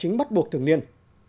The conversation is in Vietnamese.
chính bắt buộc thường liên